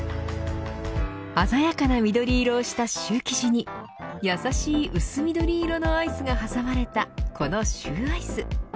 鮮やかな緑色をしたシュー生地にやさしい薄緑色のアイスが挟まれたこのシューアイス。